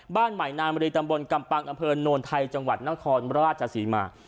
บ้านใหม่นามรีตำบลกำปังอำเภอโนนไทยจังหวัดนครราชศรีมา